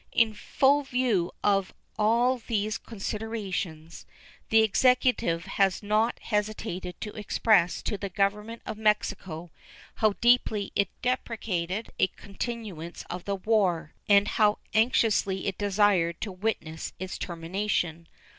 In full view of all these considerations, the Executive has not hesitated to express to the Government of Mexico how deeply it deprecated a continuance of the war and how anxiously it desired to witness its termination.